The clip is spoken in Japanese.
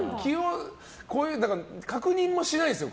確認もしないんですよ